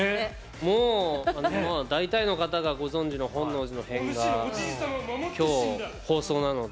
もう大体の方がご存じの「本能寺の変」がきょう放送なので。